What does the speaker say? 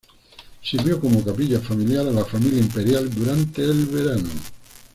Sirvió como capilla familiar a la familia imperial durante el verano.